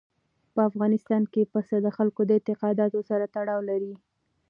په افغانستان کې پسه د خلکو د اعتقاداتو سره تړاو لري.